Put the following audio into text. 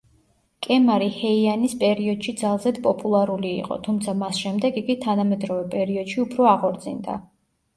კემარი ჰეიანის პერიოდში ძალზედ პოპულარული იყო, თუმცა მას შემდეგ იგი თანამედროვე პერიოდში უფრო აღორძინდა.